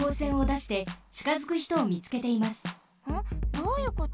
どういうこと？